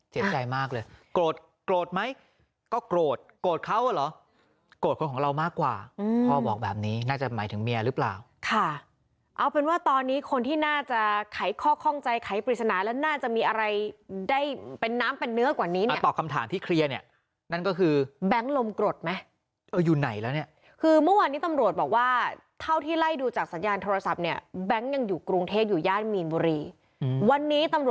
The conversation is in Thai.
เจ็บใจมากเลยโกรธโกรธไหมก็โกรธโกรธเขาหรอโกรธของเรามากกว่าพ่อบอกแบบนี้น่าจะหมายถึงเมียหรือเปล่าค่ะเอาเป็นว่าตอนนี้คนที่น่าจะไขข้อข้องใจไขปริศนาแล้วน่าจะมีอะไรได้เป็นน้ำเป็นเนื้อกว่านี้เนี่ยต่อคำถามที่เคลียร์เนี่ยนั่นก็คือแบงค์ลมโกรธไหมอยู่ไหนแล้วเนี่ยคือเมื่อวันนี้ตำร